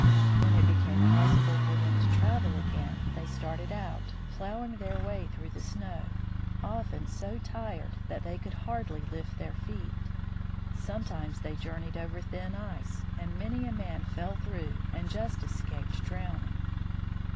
When it became possible for them to travel again, Traveling over the Ice Hummocks. they started out, plowing their way through the snow, often so tired that they could hardly lift their feet. Some times they journeyed over thin ice, and many a man fell through and just escaped drowning.